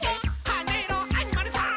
「はねろアニマルさん！」